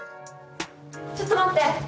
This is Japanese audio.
ちょっと待って！